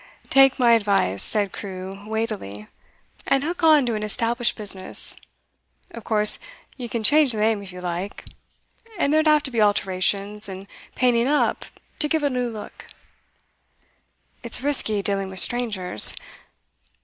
'Take my advice,' said Crewe weightily, 'and hook on to an established business. Of course, you can change the name if you like; and there'd have to be alterations, and painting up, to give a new look.' 'It's risky, dealing with strangers.